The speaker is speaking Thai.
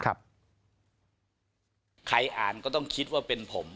ใครอ่านก็ต้องคิดว่าเป็นผม